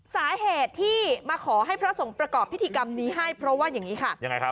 สาเหตุที่มาขอให้พระสงค์ประกอบพิธีค้ำนี้ให้คือนี้